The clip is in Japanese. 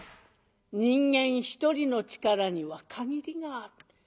人間一人の力には限りがある。